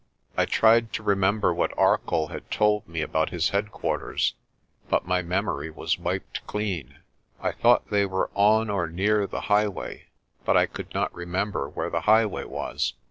I tried to remember what Arcoll had told me about his headquarters but my memory was wiped clean. I thought they were on or near the highway but I could not remember where the highway was.